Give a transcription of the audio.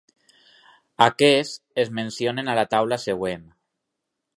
Aquests es mencionen a la taula següent.